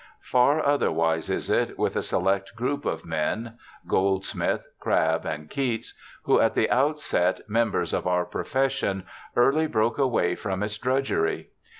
Far otherwise is it with a select group of men, Goldsmith, Crabbe and Keats, who, at the outset members of our profes sion, early broke away from its drudgery.